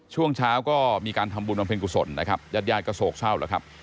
ช่วงเช้าก็มีการทำบุญวันเพลงกุศลยัดยาดกระโศกเช่า